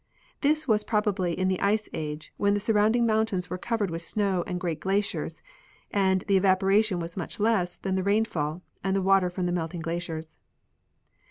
This was probably in the ice age, when the surround ing mountains were covered with snow and great glaciers, and the evaporation was much less than the rainfall and the water from the melting glaciers.